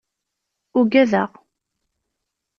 Ugadeɣ.